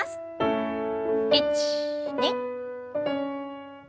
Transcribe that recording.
１２。